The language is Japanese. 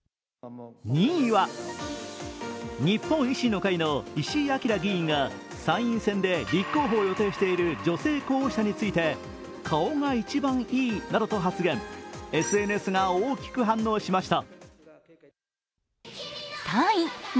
２位は、日本維新の会の石井章議員が立候補を予定している女性候補者について「顔が一番いい」などと発言、ＳＮＳが大きく反応しました。